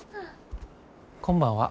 こんばんは。